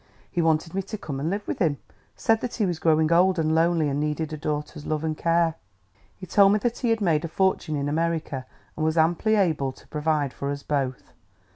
He wanted me to come and live with him, said that he was growing old and lonely and needed a daughter's love and care. He told me that he had made a fortune in America and was amply able to provide for us both.